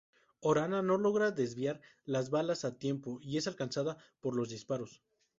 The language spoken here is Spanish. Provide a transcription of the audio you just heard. Orana no logra desviar las balas a tiempo y es alcanzada por los disparos.